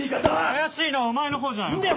怪しいのはお前のほうじゃないのか？